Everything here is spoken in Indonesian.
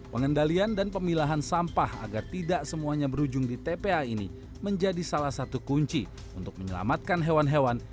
pengendalian dan pemilahan sampah agar tidak semuanya berujung di tpa ini menjadi salah satu kunci untuk menyelamatkan hewan hewan